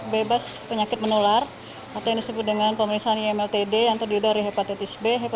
bebas penyakit menular atau yang disebut dengan pemeriksaan imltd yang terdiri dari hepatitis b